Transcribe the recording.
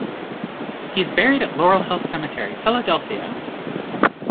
He is buried at Laurel Hill Cemetery, Philadelphia.